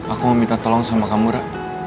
aku mau minta tolong sama kamu ra